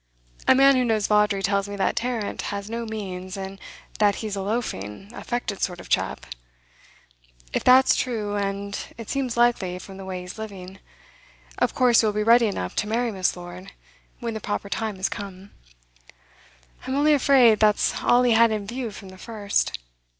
A man who knows Vawdrey tells me that Tarrant has no means, and that he's a loafing, affected sort of chap. If that's true, and it seems likely from the way he's living, of course he will be ready enough to marry Miss. Lord when the proper time has come; I'm only afraid that's all he had in view from the first.